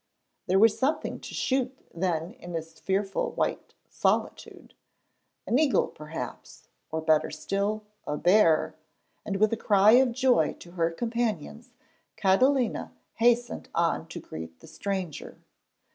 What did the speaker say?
There was something to shoot then in this fearful white solitude! An eagle perhaps, or, better still, a bear; and with a cry of joy to her companions, Catalina hastened on to greet the stranger.